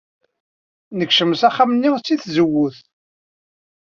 Nekcem s axxam-nni seg tzewwut.